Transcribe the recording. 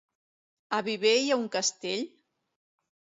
A Viver hi ha un castell?